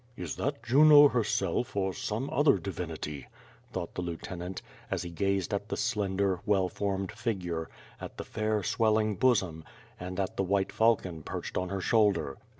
"Is that Juno herself, or some other divinity," thought the lieutenant, as he gazed at the slender, well formed figure, at the fair, swelling bosom, and at the white falcon perched on her shoulder.